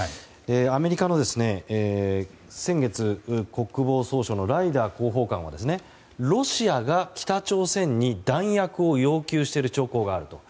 アメリカで、先月国防総省のライダー報道官はロシアが北朝鮮に弾薬を要求している兆候があると。